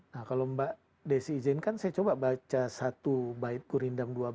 nah kalau mbak desi izinkan saya coba baca satu bait gurindam dua belas